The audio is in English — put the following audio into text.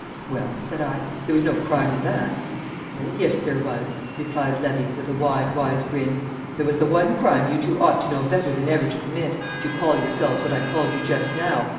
"Well," said I, "there was no crime in that." "Oh, yes, there was," replied Levy, with a wide wise grin; "there was the one crime you two ought to know better than ever to commit, if you call yourselves what I called you just now.